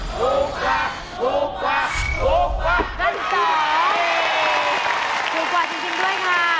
ถูกกว่าจริงด้วยค่ะ